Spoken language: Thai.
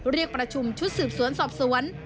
เรียกประชุมชุดสืบสวนสอบสวน